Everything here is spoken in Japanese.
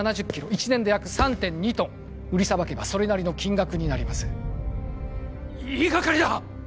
１年で約３．２トン売りさばけばそれなりの金額になります言いがかりだ！